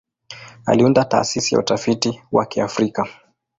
Aliunda Taasisi ya Utafiti wa Kiafrika.